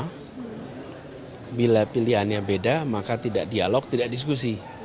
karena bila pilihannya beda maka tidak dialog tidak diskusi